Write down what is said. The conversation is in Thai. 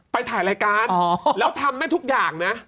ไปถ่ายรายการแล้วทำได้ทุกอย่างนะ